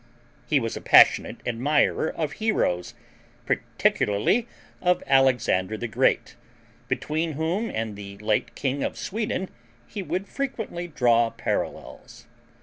He was a passionate admirer of heroes, particularly of Alexander the Great, between whom and the late king of Sweden he would frequently draw parallels.